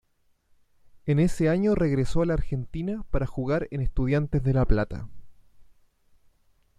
En ese año regresó a la Argentina para jugar en Estudiantes de La Plata.